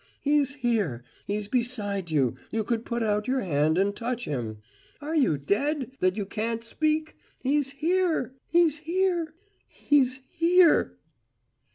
He's here, he's beside you you could put out your hand and touch him! Are you dead, that you can't speak? He's here, he's here, he's here!'